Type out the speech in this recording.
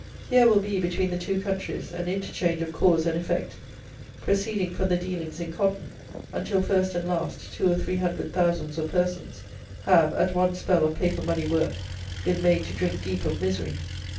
Here will be, between the two countries, an interchange of cause and effect, proceeding from the dealings in cotton, until, first and last, two or three hundred thousands of persons have, at one spell of paper money work, been made to drink deep of misery.